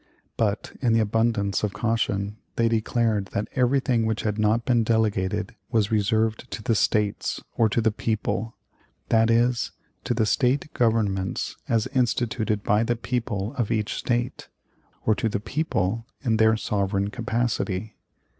But, in the abundance of caution, they declared that everything which had not been delegated was reserved to the States, or to the people that is, to the State governments as instituted by the people of each State, or to the people in their sovereign capacity.